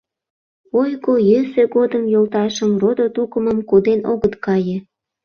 Ойго-йӧсӧ годым йолташым, родо-тукымым коден огыт кае.